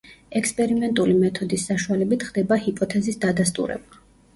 ექსპერიმენტული მეთოდის საშუალებით ხდება ჰიპოთეზის დადასტურება.